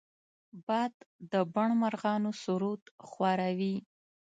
باد د بڼ مرغانو سرود خواره وي